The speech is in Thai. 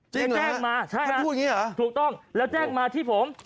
จริงเหรอฮะถ้าพูดอย่างนี้เหรอใช่นะถูกต้องแล้วแจ้งมาที่ผม